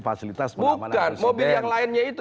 fasilitas pengamanan kepresiden bukan mobil yang lainnya itu